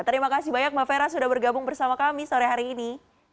terima kasih banyak mbak fera sudah bergabung bersama kami sore hari ini